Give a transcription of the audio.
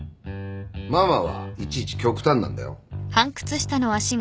ママはいちいち極端なんだよ。